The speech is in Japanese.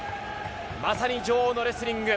まさに女王のレスリング。